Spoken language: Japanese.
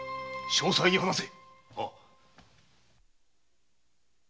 詳細に話せ！